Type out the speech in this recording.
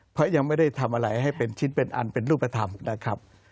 เพราะยังไม่ได้ทำอะไรให้เป็นชิ้นเป็นอันเป็นรูปธรรมนะครับ